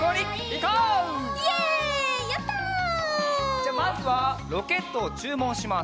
じゃあまずはロケットをちゅうもんします。